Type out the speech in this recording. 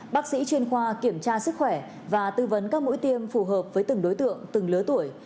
bác sĩ chuyên khoa kiểm tra sức khỏe và tư vấn các mũi tiêm phù hợp với từng đối tượng từng lứa tuổi